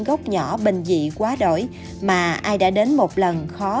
hối hả vùng đất xinh đẹp có những gốc nhỏ bình dị quá đổi mà ai đã đến một lần khó mà